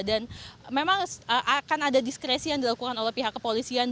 dan memang akan ada diskresi yang dilakukan oleh pihak kepolisian